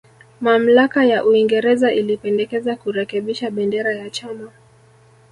Mamlaka ya Uingereza ilipendekeza kurekebisha bendera ya chama